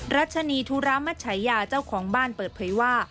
รัชนีธุระมัชญาเจ้าของบ้านเปิดเผยว่า